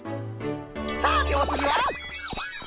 さておつぎは。